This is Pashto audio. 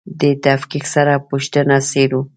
دې تفکیک سره پوښتنه څېړو.